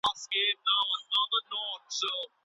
بریا یوازي د هغو خلګو حق نه ده چي ډېر استعداد لري.